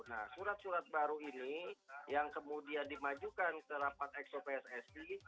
nah surat surat baru ini yang kemudian dimajukan ke rapat exo pssi